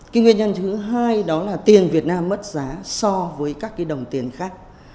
cái nguyên nhân thứ hai đó là tiền việt nam mất giá so với các cái đồng tiền khác